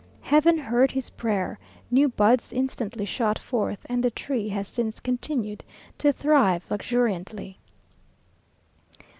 Heaven heard his prayer; new buds instantly shot forth, and the tree has since continued to thrive luxuriantly.